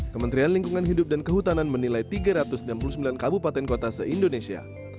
kementerian lingkungan hidup dan kehutanan menilai tiga ratus enam puluh sembilan kabupaten kota se indonesia